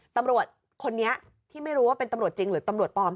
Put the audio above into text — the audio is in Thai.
ตำรวจคนนี้ที่ไม่รู้ว่าเป็นตำรวจจริงหรือตำรวจปลอม